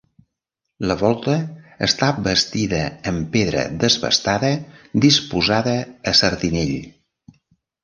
La volta està bastida en pedra desbastada disposada a sardinell.